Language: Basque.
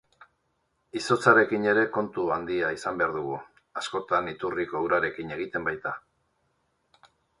Izotzarekin ere kontu handia izan behar dugu, askotan iturriko urarekin egiten baita.